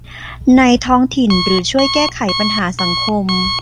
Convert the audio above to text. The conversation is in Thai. ในท้องถิ่นหรือช่วยแก้ไขปัญหาสังคม